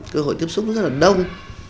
cơ hội tiếp xúc rất là đông